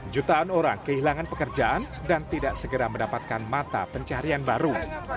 jutaan orang kehilangan pekerjaan dan tidak segera mendapatkan mata pencarian baru